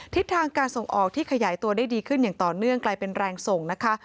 ทิศทางการส่งออกที่ขยายตัวได้ดีขึ้นอย่างต่อเนื่องกลายเป็นแรงส่งนะคะ